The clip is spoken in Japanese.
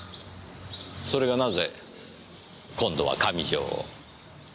それがなぜ今度は上条を？